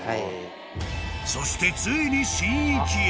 ［そしてついに神域へ］